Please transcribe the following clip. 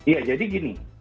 ya jadi gini